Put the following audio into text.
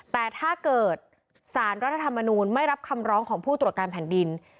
แต่ถ้าเกิดสารรัฐธรรมนูลไม่รับคำร้องของผู้ตรวจการแผ่นดิน